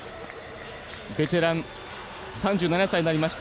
ベテラン３７歳になりました